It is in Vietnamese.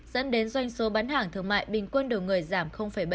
dẫn đến doanh số bán hàng thương mại bình quân đầu người giảm bảy